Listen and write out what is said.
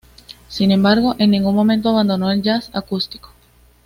Sin embargo, en ningún momento abandonó el jazz acústico.